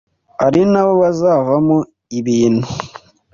ari nabo bazavamo ibintu